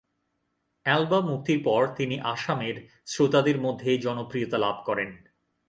Album মুক্তির পর তিনি আসামের শ্রোতাদের মধ্যে জনপ্রিয়তা লাভ করেন।